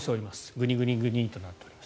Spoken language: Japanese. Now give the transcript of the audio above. グニグニグニとなっております。